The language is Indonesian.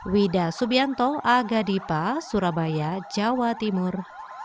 wida subianto agadipa surabaya jawa timur